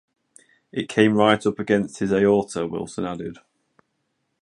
It came right up against his aorta', Wilson added.